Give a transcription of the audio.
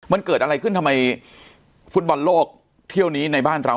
เบิร์นสวัสดีมันเกิดอะไรขึ้นทำไมฟุตบอลโลกเที่ยวนี้ในบ้านเรา